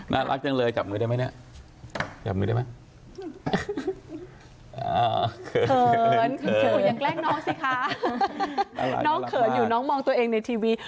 น้องเขินอยู่น้องมองตัวเองในทีวี